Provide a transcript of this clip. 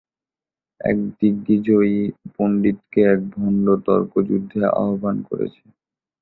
এক দিগ্বিজয়ী পণ্ডিতকে এক ভণ্ড তর্কযুদ্ধে আহ্বান করেছে।